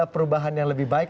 perubahan yang lebih baik